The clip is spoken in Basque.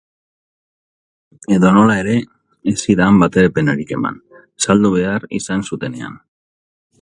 Edonola ere, ez zidaan batere penarik eman saldu behar izan zutenean.